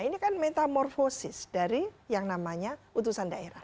ini kan metamorfosis dari yang namanya utusan daerah